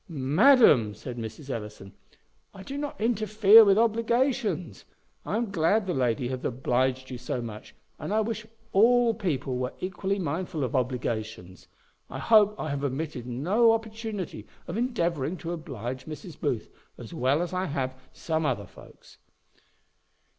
"Madam," said Mrs. Ellison, "I do not interfere with obligations. I am glad the lady hath obliged you so much; and I wish all people were equally mindful of obligations. I hope I have omitted no opportunity of endeavouring to oblige Mrs. Booth, as well as I have some other folks."